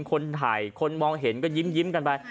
คนถ่ายคนมองเห็นก็ยิ้มกันไป